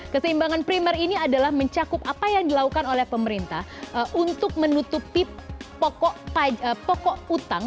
keseimbangan primer ini adalah mencakup apa yang dilakukan oleh pemerintah untuk menutupi pokok utang